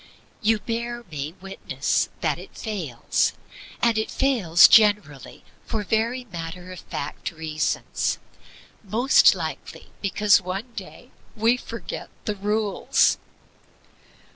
You bear me witness that it fails. And it fails generally for very matter of fact reasons most likely because one day we forget the rules.